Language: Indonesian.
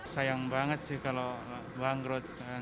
sayang banget sih kalau bangkrut